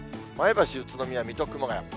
前橋、宇都宮、水戸、熊谷。